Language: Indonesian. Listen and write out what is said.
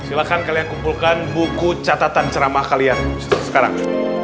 silahkan kalian kumpulkan buku catatan ceramah kalian sekarang